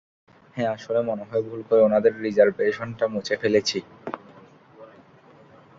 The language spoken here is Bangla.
হ্যাঁ, আসলে, মনে হয় ভুল করে ওনাদের রিজার্ভেশনটা মুছে ফেলেছি।